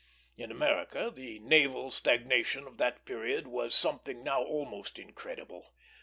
In America, the naval stagnation of that period was something now almost incredible.